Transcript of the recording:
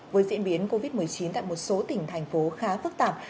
với diễn biến covid một mươi chín tại một số tỉnh thành phố khá phức tạp